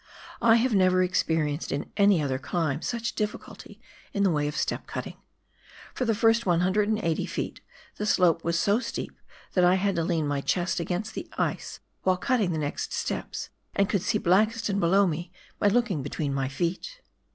I have never experienced in any other climb such difl&culty in the way of step cutting. For the first 180 ft. the slope was so steep that I had to lean my chest against the ice while cutting the next steps, and could see Blakiston below me by looking between my feet.